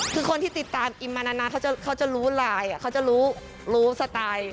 คือคนที่ติดตามอิมมานานเขาจะรู้ไลน์เขาจะรู้รู้สไตล์